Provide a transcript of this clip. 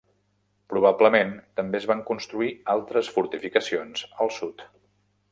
Probablement també es van construir altres fortificacions al sud.